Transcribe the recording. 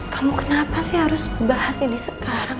kamu kenapa sih harus bahas ini sekarang